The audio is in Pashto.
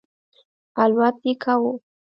الوت یې کاوه.